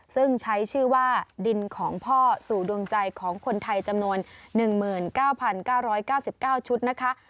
ซึ่งใช้ชื่อว่าดินของพ่อสู่ดวงใจของคนไทยจำนวน๑๙๙๙๙ชุดนะคะ